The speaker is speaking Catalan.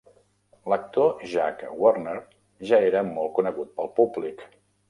L'actor Jack Warner ja era molt conegut pel públic.